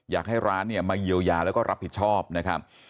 อยากให้ร้านเนี่ยมาเยียวยาแล้วก็รับผิดชอบนะครับ